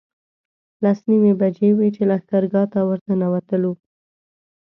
لس نیمې بجې وې چې لښکرګاه ته ورنوتلو.